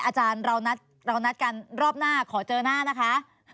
อาจารย์เรานัดเรานัดกันรอบหน้าขอเจอหน้านะคะ